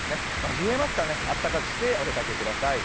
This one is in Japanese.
冷えますから温かくしてお出かけ・ください。